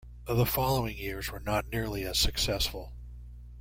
The following years were not nearly as successful.